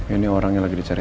ini orang yang lagi dicari